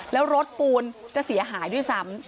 แล้วรถปูนจะเสียหายด้วยซ้ำ